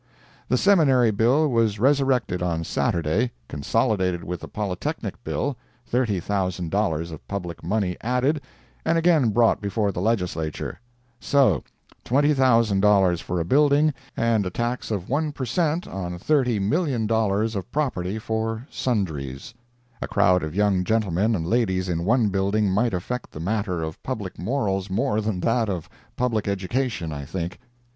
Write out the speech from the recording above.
The Seminary bill was resurrected on Saturday, consolidated with the Polytechnic bill, $30,000 of public money added, and again brought before the Legislature. So—$20,000 for a building, and a tax of 1 per cent. on $30,000,000 of property, for "sundries." A crowd of young gentlemen and ladies in one building might affect the matter of public morals more than that of public education, I think.